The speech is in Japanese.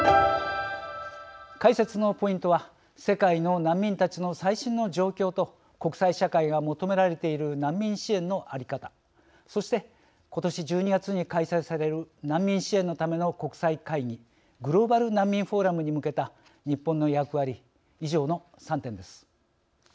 解説のポイントは世界の難民たちの最新の状況と国際社会が求められている難民支援のあり方そして、今年１２月に開催される難民支援のための国際会議グローバル難民フォーラムに向けた日本の役割以上の３点です。